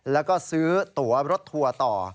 แล้วก็ซื้อตัวรถทัวร์ต่อ